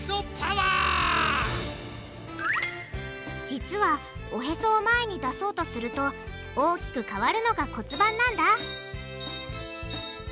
実はおヘソを前に出そうとすると大きく変わるのが骨盤なんだ